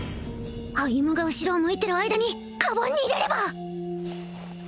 歩が後ろを向いてる間にカバンに入れれば！